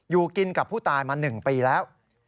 อยู่กินกับผู้ตายมา๑ปีแล้ว